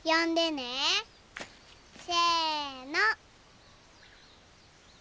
せの！